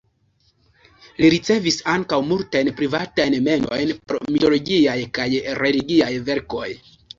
Li ricevis ankaŭ multajn privatajn mendojn por mitologiaj kaj religiaj verkoj.